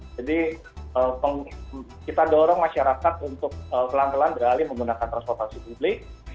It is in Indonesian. kita dorong masyarakat untuk pelan pelan beralih menggunakan transportasi publik